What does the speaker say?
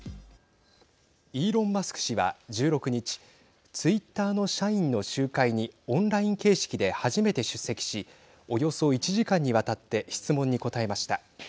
イーロン・マスク氏は、１６日ツイッターの社員の集会にオンライン形式で初めて出席しおよそ１時間にわたって質問に答えました。